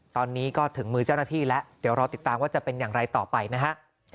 ตอนนี้ก็ถึงมือเจ้าหน้าที่แล้วเดี๋ยวรอติดตามว่าจะเป็นอย่างไรต่อไปนะฮะ